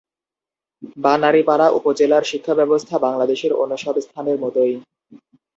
বানারীপাড়া উপজেলার শিক্ষা ব্যবস্থা বাংলাদেশের অন্য সব স্থানের মতই।